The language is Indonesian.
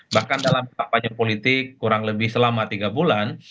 bahkan dalam kampanye politik kurang lebih selama tiga bulan